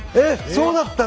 そうだったんだ！